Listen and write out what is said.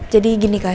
jadi gini kak